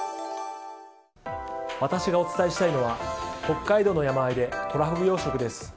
私がお伝えしたいのは北海道の山あいでトラフグ養殖です。